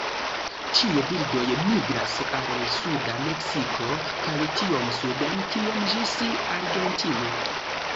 Tiuj birdoj migras al suda Meksiko kaj tiom suden kiom ĝis Argentino.